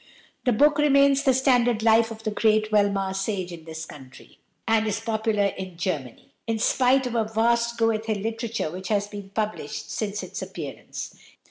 The book remains the standard life of the great Weimar sage in this country, and is popular in Germany, in spite of a vast Goethe literature which has been published since its appearance.